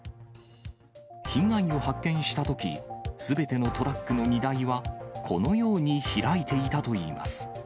被害を発見したとき、すべてのトラックの荷台はこのように開いていたといいます。